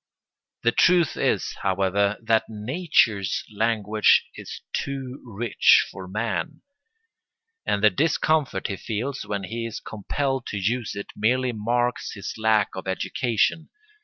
The truth is, however, that nature's language is too rich for man; and the discomfort he feels when he is compelled to use it merely marks his lack of education.